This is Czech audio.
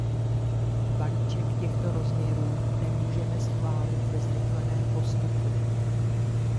Balíček těchto rozměrů nemůžeme schválit ve zrychleném postupu.